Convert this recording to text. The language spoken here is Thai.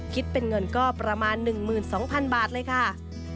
คิดเป็นเงินก็ประมาณ๑๒๐๐๐บาทเลยค่ะ